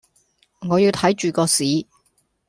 我要睇著個市